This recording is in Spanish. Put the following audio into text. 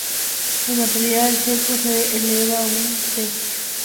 El material seco se eleva a un tercio aproximadamente del peso de lo cosechado.